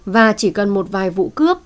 và chỉ cần một vài vụ cướp